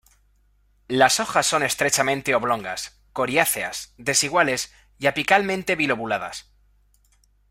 Las hojas son estrechamente oblongas, coriáceas, desiguales y apicalmente bi-lobuladas.